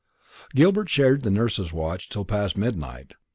Gilbert shared the nurse's watch till past midnight.